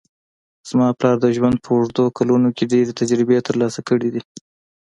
زما پلار د ژوند په اوږدو کلونو کې ډېرې تجربې ترلاسه کړې دي